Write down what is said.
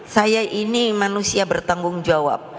saya ini manusia bertanggung jawab